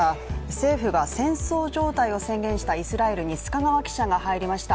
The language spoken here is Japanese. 政府が戦争状態を宣言したイスラエルに須賀川記者が入りました。